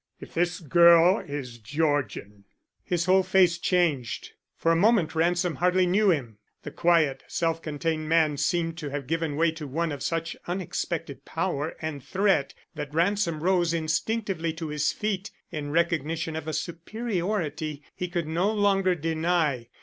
If this girl is Georgian " His whole face changed. For a moment Ransom hardly knew him. The quiet, self contained man seemed to have given way to one of such unexpected power and threat that Ransom rose instinctively to his feet in recognition of a superiority he could no longer deny.